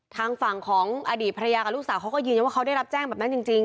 ทางฝั่งของอดีตภรรยากับลูกสาวเขาก็ยืนยันว่าเขาได้รับแจ้งแบบนั้นจริง